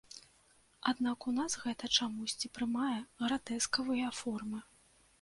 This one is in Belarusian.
Аднак у нас гэта чамусьці прымае гратэскавыя формы.